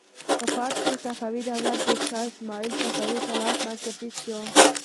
په فارس کې صفوي دولت د شا اسماعیل صفوي په لاس بنسټیز شو.